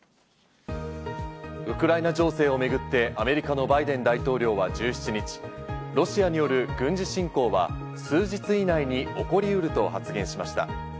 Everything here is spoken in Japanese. ウクライナ情勢をめぐってアメリカのバイデン大統領は１７日、ロシアによる軍事侵攻は数日以内に起こりうると発言しました。